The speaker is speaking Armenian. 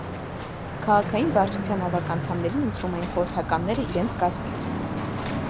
Քաղաքային վարչության ավագ անդամներին ընտրում էին խորհրդականները իրենց կազմից։